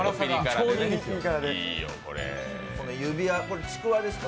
これ指輪、ちくわですか？